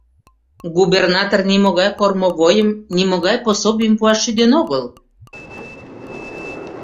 Губернатор нимогай кормовойым, нимогай пособийым пуаш шӱден огыл.